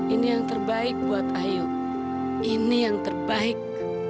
ini yang terbaik buat ayu ini yang terbaik